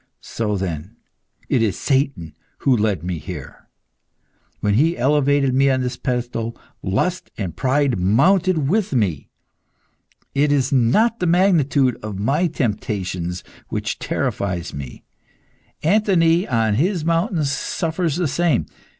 So, then, it is Satan who led me here. When he elevated me on this pedestal, lust and pride mounted with me. It is not the magnitude of my temptations which terrifies me. Anthony, on his mountain, suffers the same.